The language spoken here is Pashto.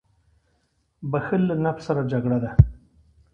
• بښل له نفس سره جګړه ده.